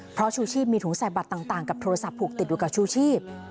เพราะชูชีพมีถุงใส่บัตรต่างกับโทรศัพท์ผูกติดอยู่กับชูชีพ